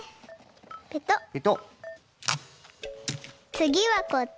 つぎはこっち。